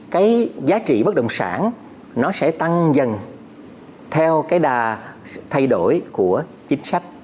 cái giá trị bất động sản nó sẽ tăng dần theo cái đà thay đổi của chính sách